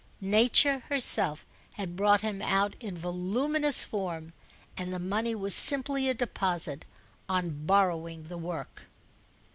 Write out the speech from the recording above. Nature herself had brought him out in voluminous form, and the money was simply a deposit on borrowing the work.